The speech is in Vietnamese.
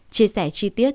chia sẻ chi tiết